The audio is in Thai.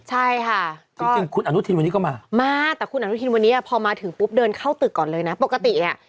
ใช่ค่ะก็มาต่อคุณอานุทินวันนี้พอมาถึงปุ๊บเดินเข้าตึกก่อนเลยนะปกติเนี่ย